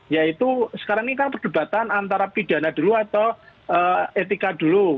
yaitu sekarang ini kan perdebatan antara pidana dulu atau etika dulu